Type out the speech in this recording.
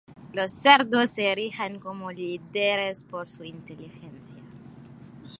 Los cerdos se erigen como líderes por su inteligencia.